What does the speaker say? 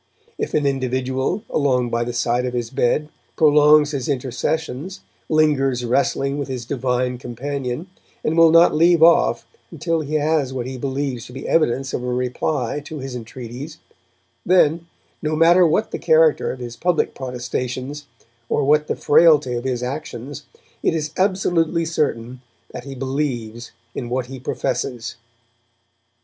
If an individual, alone by the side of his bed, prolongs his intercessions, lingers wrestling with his divine Companion, and will not leave off until he has what he believes to be evidence of a reply to his entreaties then, no matter what the character of his public protestations, or what the frailty of his actions, it is absolutely certain that he believes in what he professes.